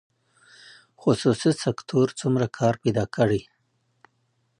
خصوصي سکتور څومره کار پیدا کړی؟